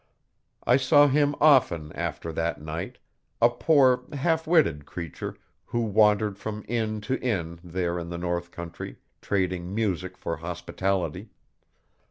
I saw him often after that night a poor, halfwitted creature, who wandered from inn to inn there in the north country, trading music for hospitality.